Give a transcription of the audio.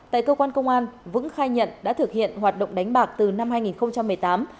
tại cơ quan công an vững khai nhận đã thực hiện hoạt động đánh bạc từ năm hai nghìn một mươi tám